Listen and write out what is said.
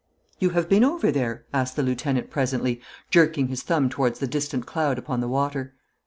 'You have been over there?' asked the lieutenant presently, jerking his thumb towards the distant cloud upon the water.